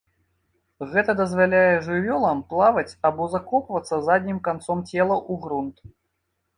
Гэта дазваляе жывёлам плаваць або закопвацца заднім канцом цела ў грунт.